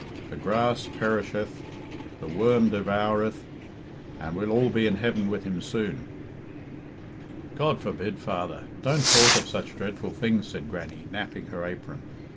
"The grass perisheth, and the worm devoureth, and well all be in heaven with him soon." "God forbid, father; don't talk of such dreadful things," said Grannie, napping her apron.